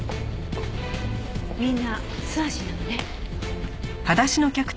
みんな素足なのね。